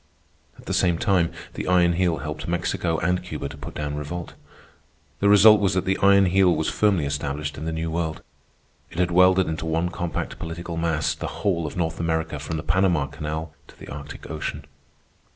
At the same time, the Iron Heel helped Mexico and Cuba to put down revolt. The result was that the Iron Heel was firmly established in the New World. It had welded into one compact political mass the whole of North America from the Panama Canal to the Arctic Ocean.